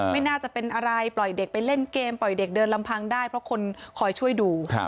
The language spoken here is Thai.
ไม่น่าจะเป็นอะไรปล่อยเด็กไปเล่นเกมปล่อยเด็กเดินลำพังได้เพราะคนคอยช่วยดู